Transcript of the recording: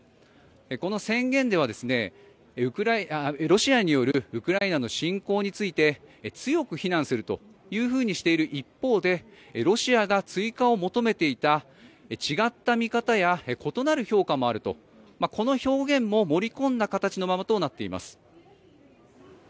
この宣言では、ロシアによるウクライナの侵攻について強く非難するとしている一方でロシアが追加を求めていた違った見方や異なる評価もあるとこの表現も盛り込んだ形のものとなっています。